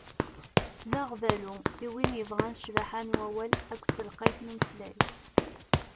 D aɣbalu i win yebɣan ccbaḥa n wawal akked telqayt n umeslay.